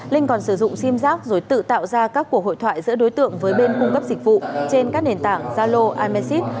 linh còn sử dụng sim giác rồi tự tạo ra các cuộc hội thoại giữa đối tượng với bên cung cấp dịch vụ trên các nền tảng zalo imesit